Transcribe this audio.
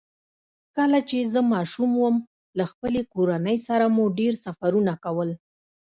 کله چې زه ماشوم وم، له خپلې کورنۍ سره مو ډېر سفرونه کول.